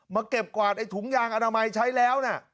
เก็บกวาดไอ้ถุงยางอนามัยใช้แล้วนะ